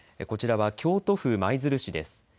こちらは京都府舞鶴市です。